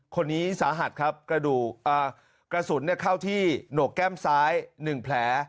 คนนี้สาหัสครับกระดูกกระสุนเข้าที่โหนกแก้มซ้าย๑แผล